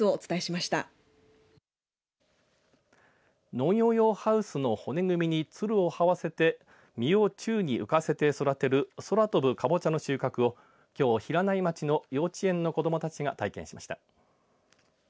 農業用ハウスの骨組みにつるをはわせて実を宙に浮かせて育てる空飛ぶかぼちゃの収穫をきょう、平内町の幼稚園の子どもたちが体験しました。